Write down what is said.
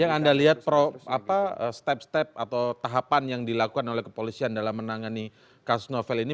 yang anda lihat step step atau tahapan yang dilakukan oleh kepolisian dalam menangani kasus novel ini